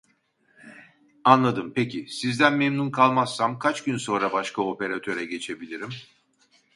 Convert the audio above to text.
Anladım peki sizden memnun kalmazsam kaç gün sonra başka operatöre geçebilirim